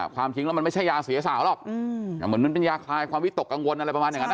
ความจริงแล้วมันไม่ใช่ยาเสียสาวหรอกเหมือนมันเป็นยาคลายความวิตกกังวลอะไรประมาณอย่างนั้นนะ